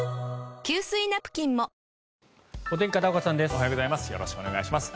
おはようございます。